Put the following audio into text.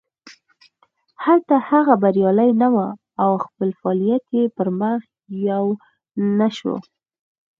هلته هغه بریالی نه و او خپل فعالیت یې پرمخ یو نه شو.